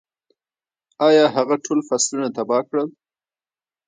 ایا هغه ټول فصلونه تباه کړل؟